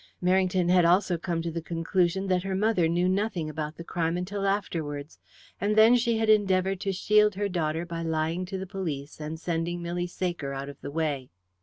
Merrington had also come to the conclusion that her mother knew nothing about the crime until afterwards, and then she had endeavoured to shield her daughter by lying to the police and sending Milly Saker out of the way.